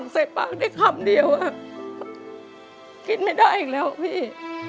ใส่ปากได้คำเดียวคิดไม่ได้อีกแล้วพี่